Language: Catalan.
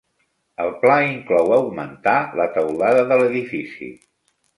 El pla inclou augmentar la teulada de l'edifici.